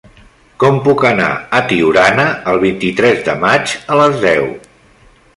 Com puc anar a Tiurana el vint-i-tres de maig a les deu?